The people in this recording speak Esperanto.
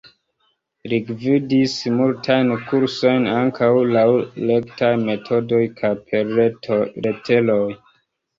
Li gvidis multajn kursojn, ankaŭ laŭ rektaj metodoj kaj per leteroj.